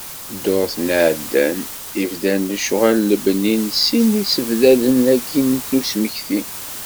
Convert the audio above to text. Ddurt iɛeddan, i bdan lecɣal n lebni n sin yisebddaden-agi n usmekti.